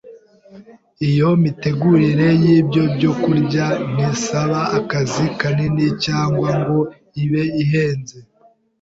Iyo mitegurire y’ibyo byokurya ntisaba akazi kanini cyangwa ngo ibe ihenze,